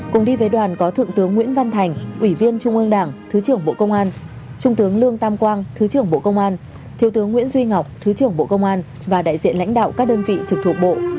cùng đi với đoàn có thượng tướng nguyễn văn thành ủy viên trung ương đảng thứ trưởng bộ công an trung tướng lương tam quang thứ trưởng bộ công an thiếu tướng nguyễn duy ngọc thứ trưởng bộ công an và đại diện lãnh đạo các đơn vị trực thuộc bộ